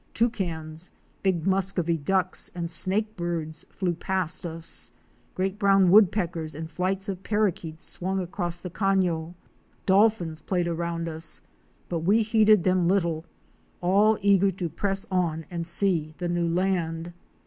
Toucans, big Muscovy Ducks * and Snakebirds * flew past us; great brown Woodpeckers and flights of Parrakeets swung across the cafio; dolphins played around us, but we heeded them little, all eager to press on and see the new land.